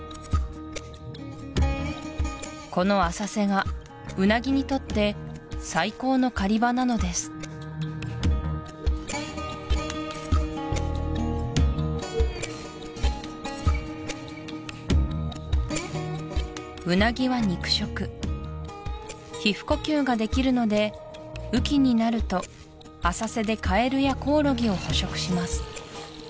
この浅瀬がウナギにとって最高の狩り場なのですウナギは肉食皮膚呼吸ができるので雨季になると浅瀬でカエルやコオロギを捕食します